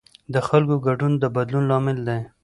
د خلکو ګډون د بدلون لامل دی